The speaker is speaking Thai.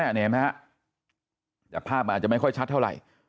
นี่เห็นไหมฮะแต่ภาพอาจจะไม่ค่อยชัดเท่าไร